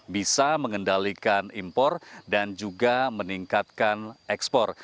bisa mengendalikan impor dan juga meningkatkan ekspor